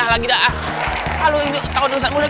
hai kau gitu loh